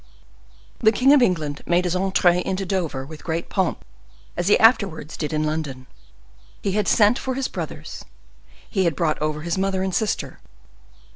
The king of England made his entree into Dover with great pomp, as he afterwards did in London. He had sent for his brothers; he had brought over his mother and sister.